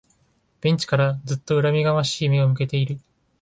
ベンチからずっと恨みがましい目を向けている